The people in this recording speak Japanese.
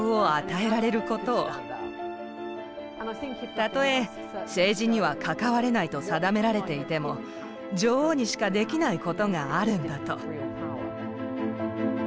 たとえ政治には関われないと定められていても女王にしかできないことがあるんだと。